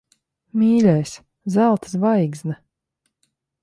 Mīļais! Zelta zvaigzne.